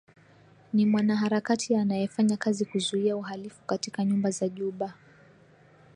ni mwanaharakati anayefanya kazi kuzuia uhalifu katika nyumba za Juba